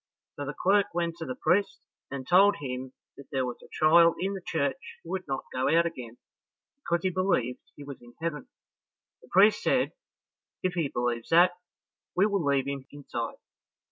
So the clerk went to the priest, and told him that there was a child in the church who would not go out again, because he believed he was in heaven. The priest said, "If he believes that, we will leave him inside."